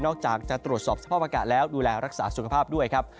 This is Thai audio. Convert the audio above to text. จากจะตรวจสอบสภาพอากาศแล้วดูแลรักษาสุขภาพด้วยครับ